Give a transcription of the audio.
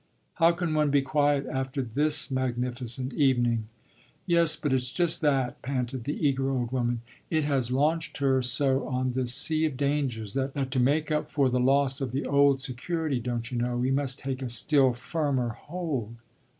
"How can one be quiet after this magnificent evening?" "Yes, but it's just that!" panted the eager old woman. "It has launched her so on this sea of dangers that to make up for the loss of the old security (don't you know?) we must take a still firmer hold."